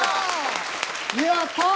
やった！